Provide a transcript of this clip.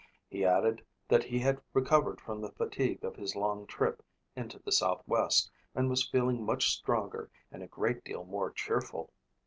He added that he had recovered from the fatigue of his long trip into the southwest and was feeling much stronger and a great deal more cheerful.